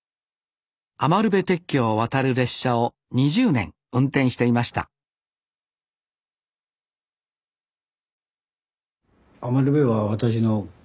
余部鉄橋を渡る列車を２０年運転していました余部は私の何ていうんだろう。